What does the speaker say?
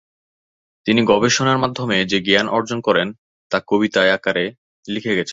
তিনি গবেষণার মাধ্যমে যে জ্ঞান অর্জন করেন, তা কবিতার আকারে লিখে গেছেন।